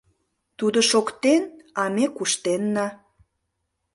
Тудо шоктен, а ме куштенна.